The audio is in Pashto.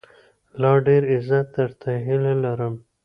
لا ډېر عزت، درته هيله لرم